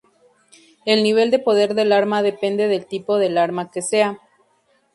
El nivel de poder del arma depende del tipo del arma que sea.